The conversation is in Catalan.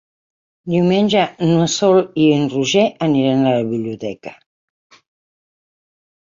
Diumenge na Sol i en Roger aniran a la biblioteca.